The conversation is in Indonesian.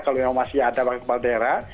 kalau memang masih ada wakil kepala daerah